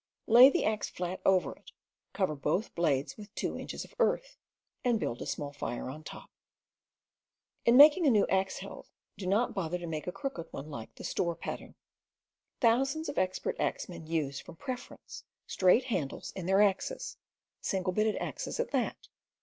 Lay the axe flat over it, cover both blades with two inches of earth, and build a small fire on top. In making a new axe helve, do not bother to make a crooked one like the store pattern. Thousands of expert axemen use, from preference, straight handles in their axes — single bitted axes at that.